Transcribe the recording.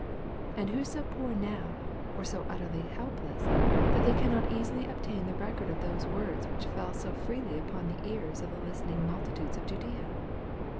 And who so poor now, or so utterly helpless, that they cannot easily obtain the record of those words which fell so freely upon the ears of the listening multitudes of Judea?